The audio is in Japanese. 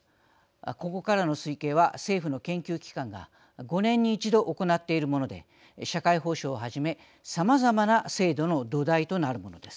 ここからの推計は政府の研究機関が５年に１度行っているもので社会保障をはじめさまざまな制度の土台となるものです。